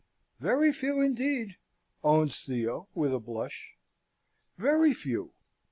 "Very few, indeed," owns Theo, with a blush. "Very few.